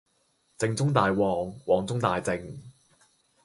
靜中帶旺，旺中帶靜